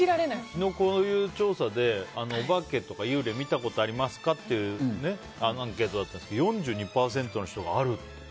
昨日、こういう調査でお化けや幽霊を見たことがありますかってアンケートだったんですけど４２％の人があるって。